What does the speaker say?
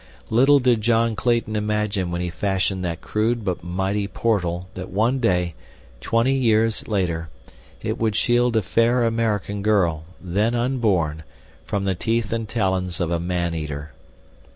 Little did John Clayton imagine when he fashioned that crude but mighty portal that one day, twenty years later, it would shield a fair American girl, then unborn, from the teeth and talons of a man eater.